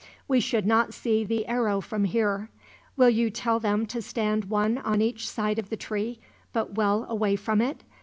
We should not see the arrow from here. Will you tell them to stand one on each side of the tree, but well away from it?